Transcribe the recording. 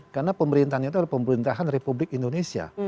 karena pemerintahnya itu adalah pemerintahan republik indonesia